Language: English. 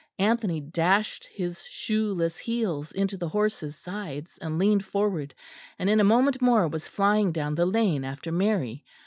Anthony dashed his shoeless heels into the horse's sides and leaned forward, and in a moment more was flying down the lane after Mary.